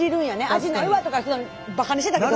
味ないわとかばかにしてたけど。